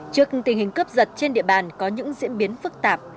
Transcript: trước tình hình cướp giật trên địa bàn có những diễn biến phức tạp